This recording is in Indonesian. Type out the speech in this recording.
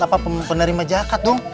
apa penerima zakat dong